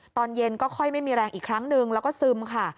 ตอนเย็นก็ค่อยไม่มีแรงอีกครั้งหนึ่งแล้วก็ซึมค่ะ